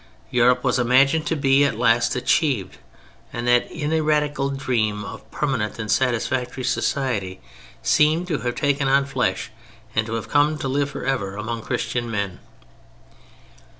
Europe was imagined to be at last achieved, and that ineradicable dream of a permanent and satisfactory society seemed to have taken on flesh and to have come to live forever among Christian men.